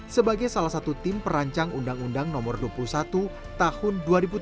sebagai salah satu tim perancang undang undang no dua puluh satu tahun dua ribu tujuh belas